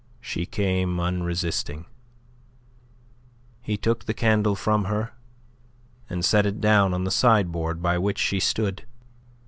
She came unresisting. He took the candle from her, and set it down on the sideboard by which she stood.